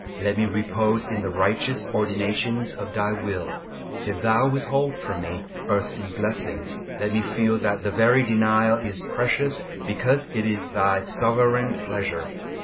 Let me repose in the righteous ordinations of Thy will. If Thou withhold from me earthly blessings, let me feel that the very denial is precious because it is Thy sovereign pleasure.